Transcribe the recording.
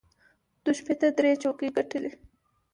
دوی شپېته درې څوکۍ ګټلې.